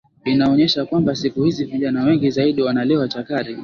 inaonyesha kwamba siku hizi vijana wengi zaidi wanalewa chakari